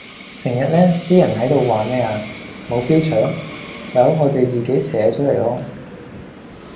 成日呢，啲人喺到話咩呀?無 Future? Well 我哋自己寫出嚟囉！